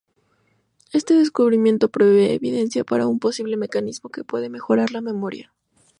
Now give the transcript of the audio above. Este descubrimiento provee evidencia para un posible mecanismo que puede mejorar la memoria.